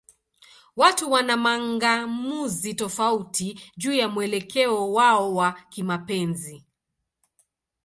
Watu wana mang'amuzi tofauti juu ya mwelekeo wao wa kimapenzi.